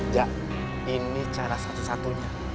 jak ini cara satu satunya